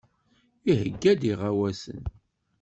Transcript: Iheyya-d iɣawasen.